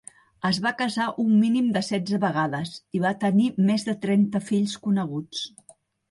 Es va casar un mínim de setze vegades i va tenir més de trenta fills coneguts.